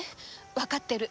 わかってる。